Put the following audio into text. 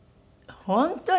本当に？